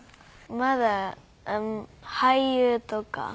まだ俳優とか？